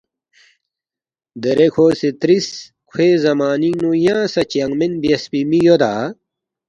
دیرے کھو سی ترِس، ”کھوے زمانِنگ نُو ینگ سہ چنگمین بیاسفی می یودا؟“